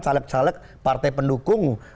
caleg caleg partai pendukung